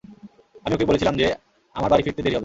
আমি ওকে বলেছিলাম যে, আমার বাড়ি ফিরতে দেরি হবে।